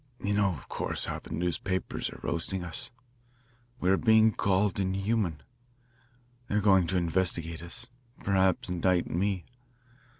You know, of course, how the newspapers are roasting us. We are being called inhuman; they are going to investigate us; perhaps indict me.